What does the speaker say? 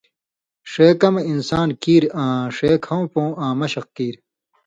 ݜے کمہۡ انسان کیر آں ݜے کھؤں پوں آں مشق کیر